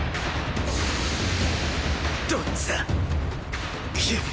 どっちだ⁉っ！